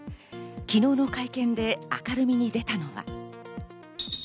昨日の会見で明るみに出たのは。